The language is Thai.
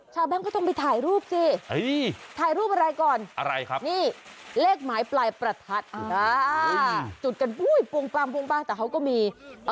ชาวแบ๊มก็ต้องไปถ่ายรูปซี่